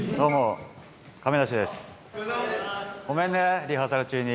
ごめんねリハーサル中に。